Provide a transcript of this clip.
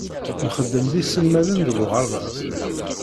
Nxeddem d iselmaden deg uɣerbaz.